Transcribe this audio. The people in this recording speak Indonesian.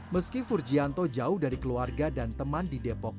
meski furgianto jauh dari keluarga dan teman di depok